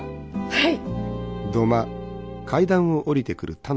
はい。